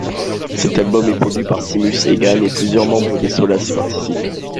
Cet album est produit par Séamus Egan et plusieurs membres de Solas y participent.